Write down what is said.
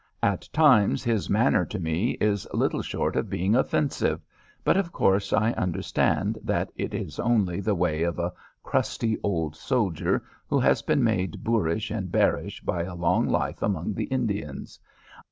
At times his manner to me is little short of being offensive, but of course I understand that it is only the way of a crusty old soldier who has been made boorish and bearish by a long life among the Indians.